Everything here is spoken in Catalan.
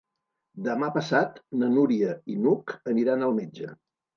Demà passat na Núria i n'Hug aniran al metge.